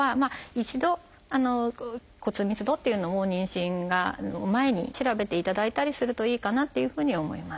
一度骨密度っていうのを妊娠の前に調べていただいたりするといいかなっていうふうには思います。